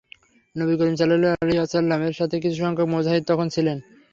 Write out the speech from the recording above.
নবী করীম সাল্লাল্লাহু আলাইহি ওয়াসাল্লাম-এর সাথে কিছু সংখ্যক মুজাহিদ তখনও ছিলেন।